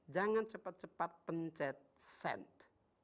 jangan cepat cepat pencet sense